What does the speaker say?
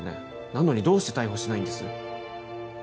なのにどうして逮捕しないんです？